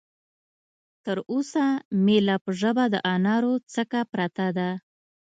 تر اوسه مې لا په ژبه د انارو څکه پرته ده.